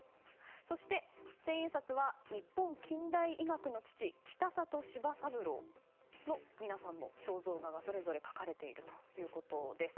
そして、千円札は日本近代医学の父・北里柴三郎の皆さんの肖像画がそれぞれ描かれているということです。